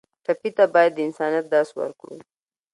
ټپي ته باید د انسانیت درس ورکړو.